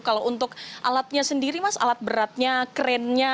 kalau untuk alatnya sendiri mas alat beratnya krennya